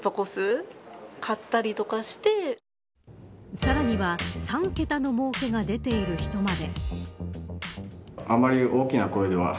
さらには３桁のもうけが出ている人まで。